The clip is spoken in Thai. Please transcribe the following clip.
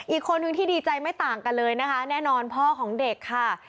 อีกคนนึงที่ดีใจไม่ต่างกันเลยนะคะแน่นอนพ่อของเด็กค่ะ